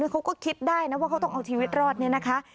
เขาก็คิดได้นะว่าเขาต้องเอาชีวิตรอดเนี่ยนะคะ